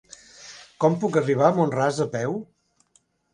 Com puc arribar a Mont-ras a peu?